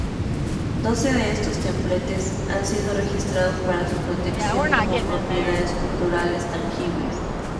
Doce de estos templetes han sido registrados para su protección como Propiedades Culturales Tangibles.